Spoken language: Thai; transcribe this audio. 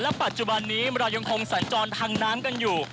ปัจจุบันนี้เรายังคงสัญจรทางน้ำกันอยู่